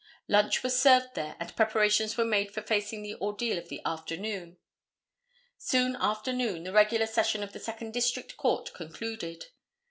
Lunch was served there and preparations were made for facing the ordeal of the afternoon. Soon after noon the regular session of the Second District Court concluded.